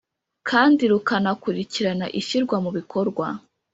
kandi rukanakurikirana ishyirwa mu bikorwa.